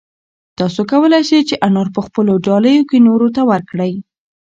تاسو کولای شئ چې انار په خپلو ډالیو کې نورو ته ورکړئ.